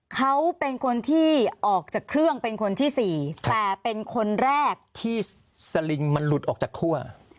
เขาเป็นคนที่ออกจากเครื่องเป็นคนที่๔แต่เป็นคนแรกที่สลิงมันหลุดออกจากคั่ว